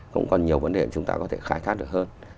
cũng còn nhiều vấn đề chúng ta có thể khai thác được hơn